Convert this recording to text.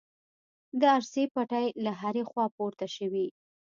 د ارسي پټې له هرې خوا پورته شوې.